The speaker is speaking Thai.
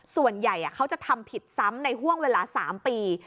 ส่วนใหญ่เขาจะทำผิดซ้ำในห่วงเวลา๓ปี